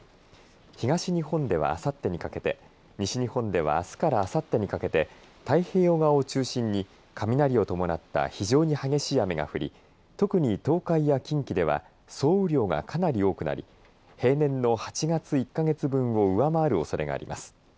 東日本ではあさってにかけて西日本ではあすからあさってにかけて太平洋側を中心に雷を伴った非常に激しい雨が降り特に東海や近畿では総雨量がかなり多くなり平年の８月１か月分を上回るおそれがあります。